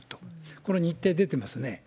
これ、日程出てますね。